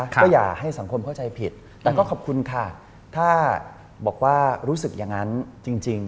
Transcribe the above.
ก็อย่าให้สังคมเข้าใจผิดแต่ก็ขอบคุณค่ะถ้าบอกว่ารู้สึกอย่างนั้นจริง